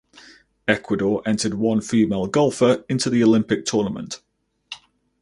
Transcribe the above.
Ecuador entered one female golfer into the Olympic tournament.